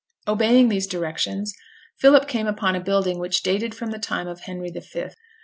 Obeying these directions, Philip came upon a building which dated from the time of Henry the Fifth.